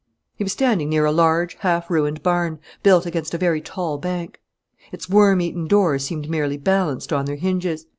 He was standing near a large, half ruined barn, built against a very tall bank. Its worm eaten doors seemed merely balanced on their hinges.